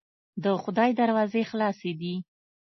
د خدای دروازې خلاصې دي.